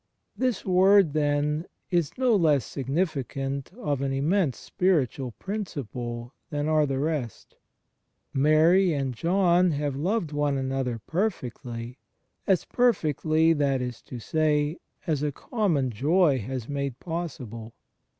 This word, then, is no less significant of an immense spiritual principle than are the rest. Mary and John have loved one another perfectly — as perfectly, that is to say, as a common joy has made possible.